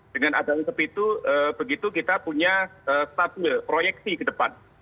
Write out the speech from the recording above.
dengan adanya seperti itu begitu kita punya startwill proyeksi ke depan